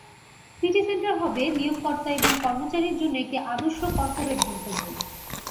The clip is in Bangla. সিটি সেন্টার হবে নিয়োগকর্তা এবং কর্মচারীর জন্য একটি আদর্শ কর্পোরেট গন্তব্য।